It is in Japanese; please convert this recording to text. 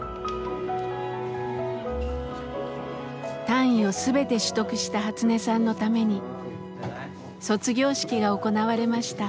単位を全て取得したハツネさんのために卒業式が行われました。